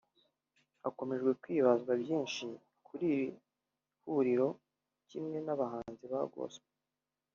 hakomeje kwibazwa byinshi kuri iri rihuriro kimwe n’ abahanzi ba gospel